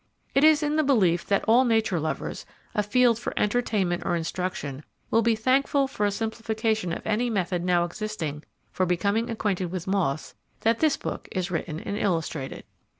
It is in the belief that all Nature Lovers, afield for entertainment or instruction, will be thankful for a simplification of any method now existing for becoming acquainted with moths, that this book is written and illustrated.